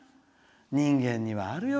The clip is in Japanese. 人間にはあるよ。